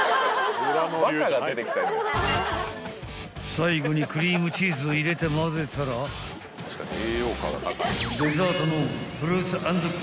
［最後にクリームチーズを入れてまぜたらデザートの］